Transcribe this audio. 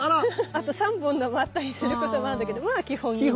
あと３本のもあったりすることもあるんだけどまあ基本２ね。